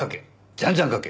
じゃんじゃん書け。